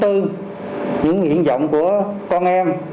những tâm tư những hiện rộng của con em